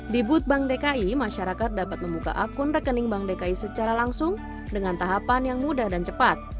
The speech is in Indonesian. di booth bank dki masyarakat dapat membuka akun rekening bank dki secara langsung dengan tahapan yang mudah dan cepat